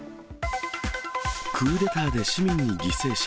クーデターで市民に犠牲者。